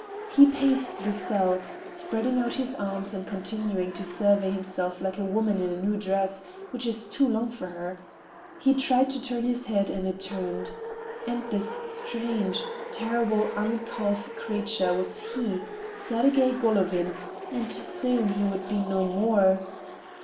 He paced the cell, spreading out his arms and continuing to survey himself like a woman in a new dress which is too long for her. He tried to turn his head, and it turned. And this strange, terrible, uncouth creature was he, Sergey Golovin, and soon he would be no more!